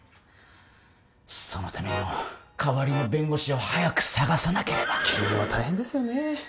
そのためにも代わりの弁護士を早く探さなければ兼任は大変ですよね